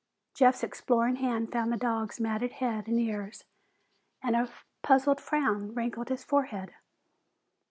Jeff's exploring hand found the dog's matted head and ears, and a puzzled frown wrinkled his forehead.